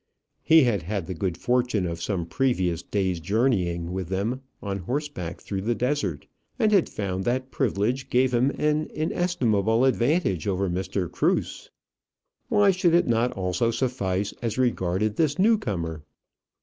He had had the good fortune of some previous days' journeying with them on horseback through the desert, and had found that privilege gave him an inestimable advantage over Mr. Cruse. Why should it not also suffice as regarded this new comer?